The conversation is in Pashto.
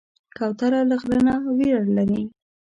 کوتره له غره نه ویره لري.